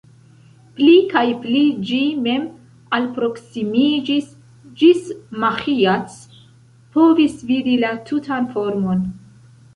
Pli kaj pli ĝi mem alproksimiĝis, ĝis Maĥiac povis vidi la tutan formon.